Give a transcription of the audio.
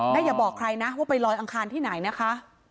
อย่าบอกใครนะว่าไปลอยอังคารที่ไหนนะคะ